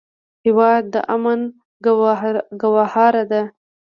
هېواد د امن ګهواره ده.